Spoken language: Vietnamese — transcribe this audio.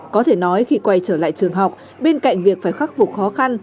có thể nói khi quay trở lại trường học bên cạnh việc phải khắc phục khó khăn